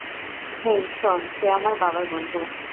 হেই, শোন, সে আমার বাবার বন্ধু।